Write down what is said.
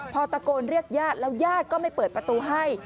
พอตะโกนเรียกญาติแล้วญาติก็ไม่เปิดประตูให้